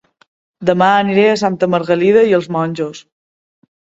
Dema aniré a Santa Margarida i els Monjos